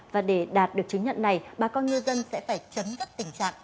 và để đạt được chứng nhận này bà con ngư dân sẽ phải chấn các tình trạng